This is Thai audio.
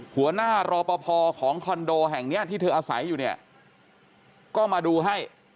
หัวหน้ารอปภของคอนโดแห่งเนี้ยที่เธออาศัยอยู่เนี่ยก็มาดูให้